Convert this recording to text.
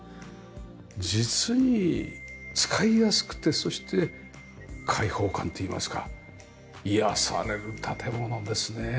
実に使いやすくてそして開放感といいますか癒やされる建物ですね。